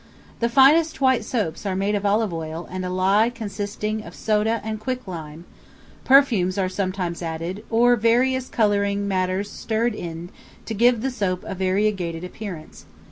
The finest white soaps are made of olive oil and a lye consisting of soda and quicklime; perfumes are sometimes added, or various coloring matters stirred in to give the soap a variegated appearance.